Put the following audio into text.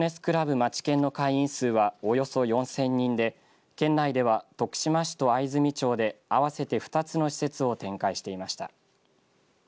まちけんの会員数は、およそ４０００人で県内では徳島市と藍住町で合わせて２つの施設を展開していました。